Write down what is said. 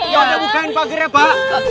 yaudah bukain pagernya pak